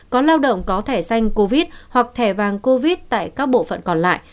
có lao động có thẻ xanh covid hoặc thẻ vàng covid tại các bộ phận còn lại